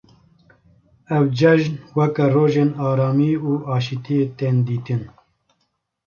Ev ceijn weke rojên aramî û aşîtiyê tên dîtin.